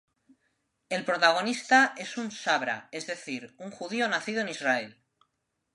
El protagonista es un Sabra, es decir, un judío nacido en Israel.